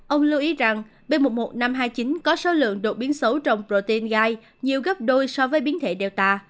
ông lưu ý rằng b một một năm trăm hai mươi chín có số lượng đột biến xấu trong protein gai nhiều gấp đôi so với biến thể delta